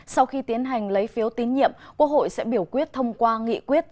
sau khi tiến hành lấy phiếu tín nhiệm quốc hội sẽ biểu quyết thông qua nghị quyết